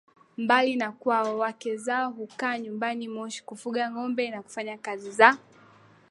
mbali na kwao wake zao hukaa nyumbani Moshi kufuga ngombe na kufanya kazi za